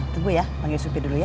tunggu ya panggil supir dulu ya